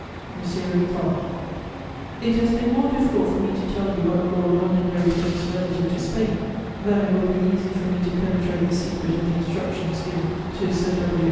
"MONSIEUR LE VICOMTE, "It has been more difficult for me to tell you what Lord Londonderry thinks, relative to Spain, than it will be easy for me to penetrate the secret of the instructions given to Sir W.